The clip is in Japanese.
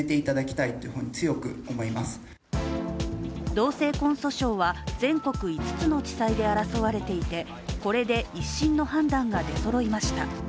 同性婚訴訟は、全国５つの地裁で争われていて、これで１審の判断が出そろいました。